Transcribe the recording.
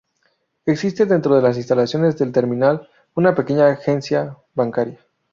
Existe dentro de las instalaciones del terminal, una pequeña agencia bancaria.